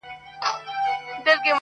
کله کله به هوا ته هم ختلې -